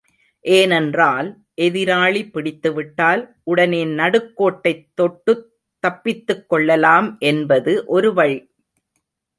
ஏனென்றால், எதிராளி பிடித்துவிட்டால், உடனே நடுக்கோட்டைத் தொட்டுத் தப்பித்துக்கொள்ளலாம் என்பது ஒரு வழி.